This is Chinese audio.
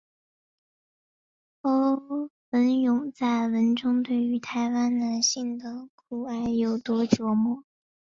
侯文咏在文中对于台湾男性的苦衷有多琢磨。